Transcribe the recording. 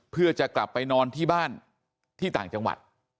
เพื่อจะกลับไปนอนที่บ้านที่ต่างจังหวัด